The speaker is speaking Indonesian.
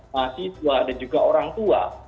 masih tua dan juga orang tua